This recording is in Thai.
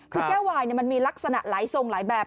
คือแก้ววายมันมีลักษณะหลายทรงหลายแบบ